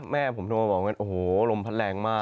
แม่ผมคงมาบอกว่าโอ้โฮลมพลังแรงมาก